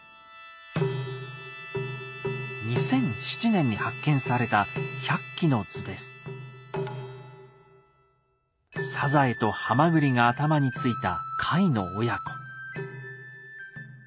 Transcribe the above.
２００７年に発見されたさざえとはまぐりが頭についた貝の親子。